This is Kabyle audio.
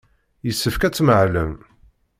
Yessefk ad tmahlem.